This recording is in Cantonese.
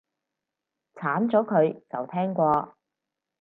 鏟咗佢，就聽過